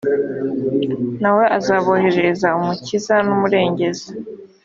na we azaboherereza umukiza n umurengezi